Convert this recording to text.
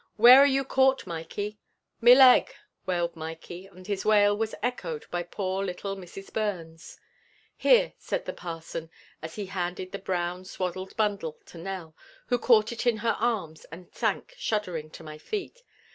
"Where are you caught, Mikey?" "Me leg," wailed Mikey and his wail was echoed by poor little Mrs. Burns. "Here," said the parson, as he handed the brown swaddled bundle to Nell, who caught it in her arms and sank shuddering to my feet.